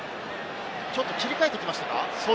ちょっと切り替えてきましたか。